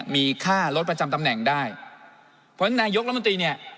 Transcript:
มีค่ารถประจำตำแหน่งได้เพราะฉะนั้นนายกรัฐมนตรีเนี่ย